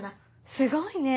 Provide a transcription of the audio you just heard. すごいね。